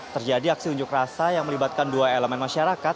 terjadi aksi unjuk rasa yang melibatkan dua elemen masyarakat